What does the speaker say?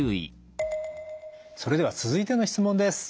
それでは続いての質問です。